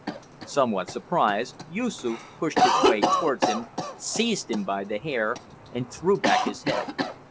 Somewhat surprised, Yoosoof pushed his way towards him, seized him by the hair and threw back his head.